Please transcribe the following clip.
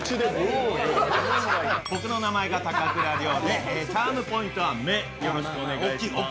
ボクの名前が高倉陵でチャームポイントは目、よろしくお願いします。